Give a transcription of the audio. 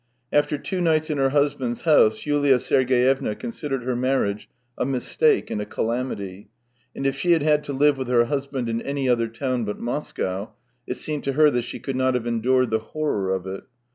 After two nights in her husband's house Yulia Sergeycvna considered her marriage a mistake and a calamity, and if she had had to live with her husband in any other town but Moscow, it seemed to her that she could not have endured the horror of it.